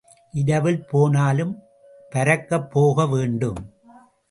இரவில் போனாலும் பரக்கப் போக வேண்டும்.